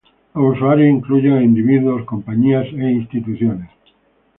Los usuarios incluyen a individuos, compañías e instituciones.